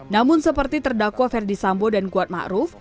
namun seperti terdakwa ferdi sambo dan kuat mak ruf